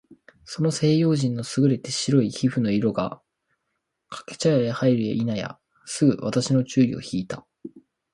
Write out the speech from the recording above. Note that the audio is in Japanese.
その西洋人の優れて白い皮膚の色が、掛茶屋へ入るや否いなや、すぐ私の注意を惹（ひ）いた。